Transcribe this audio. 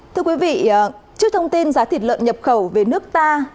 thưa quý vị trước thông tin giá thịt lợn nhập khẩu về nước ta